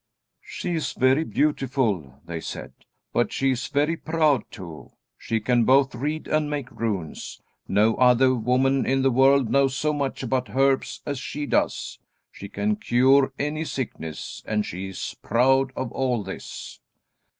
"She is very beautiful," they said, "but she is very proud, too. She can both read and make runes. No other woman in the world knows so much about herbs as she does. She can cure any sickness. And she is proud of all this!"